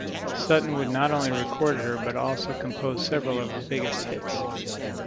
Sutton would not only record her but also compose several of her biggest hits.